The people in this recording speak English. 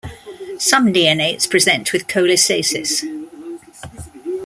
Some neonates present with cholestasis.